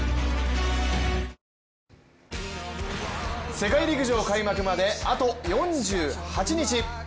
世界陸上開幕まであと４８日。